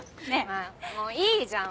もういいじゃん。